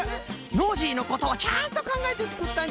ノージーのことをちゃんとかんがえてつくったんじゃな。